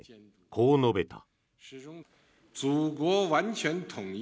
こう述べた。